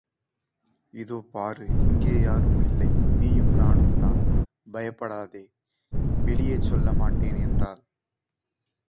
இதோ பாரு இங்கே யாரும் இல்லை நீயும் நானும் தான் பயப்படாதே வெளியே சொல்ல மாட்டேன்! என்றாள்.